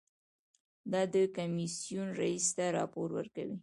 دا د کمیسیون رییس ته راپور ورکوي.